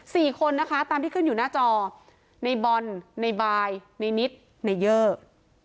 สี่คนนะคะตามที่ขึ้นอยู่หน้าจอในบอลในบายในนิดในเยอร์